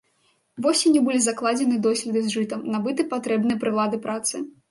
Восенню былі закладзены доследы з жытам, набыты патрэбныя прылады працы.